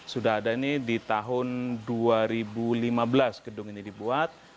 sudah ada ini di tahun dua ribu lima belas gedung ini dibuat